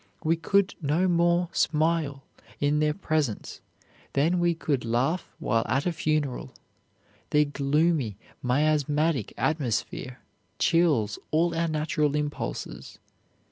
We could no more smile in their presence than we could laugh while at a funeral. Their gloomy miasmatic atmosphere chills all our natural impulses.